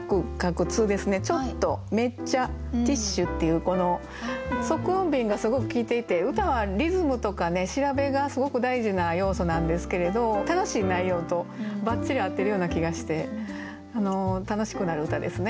「めっちゃ」「ティッシュ」っていうこの促音便がすごく効いていて歌はリズムとかね調べがすごく大事な要素なんですけれど楽しい内容とバッチリ合ってるような気がして楽しくなる歌ですね。